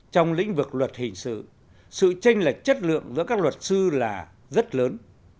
trong lĩnh vực luật hình sự tranh lệch chất lượng giữa các luật sư là rất lớn